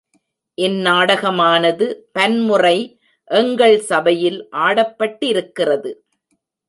இந் நாடகமானது பன்முறை எங்கள் சபையில் ஆடப்பட்டிருக்கிறது.